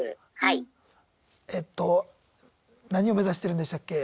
えっと何を目指してるんでしたっけ？